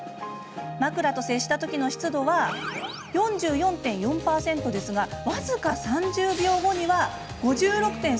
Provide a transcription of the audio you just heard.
枕と接したときの湿度は４４．４％ですが僅か３０秒後には５６．３％に。